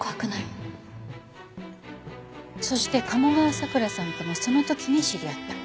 そして鴨川咲良さんともその時に知り合った。